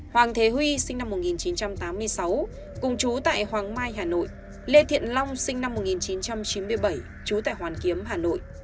hoàng thế huy sinh năm một nghìn chín trăm tám mươi sáu cùng chú tại hoàng mai hà nội lê thiện long sinh năm một nghìn chín trăm chín mươi bảy trú tại hoàn kiếm hà nội